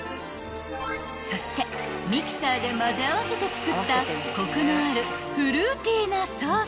［そしてミキサーで混ぜ合わせて作ったコクのあるフルーティーなソース］